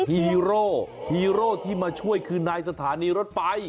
ฮีโร่ฮีโร่ที่มาช่วยคือนายสถานีรถไฟ